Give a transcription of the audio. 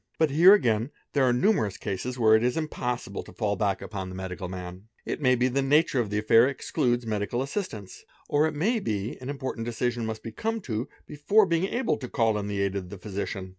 i But here again there are numerous cases where it is impossible fall back upon the medical man; it may be the nature of the aif excludes medical assistance or, it may be, an important decision m be come to before being able to call in the aid of the physician.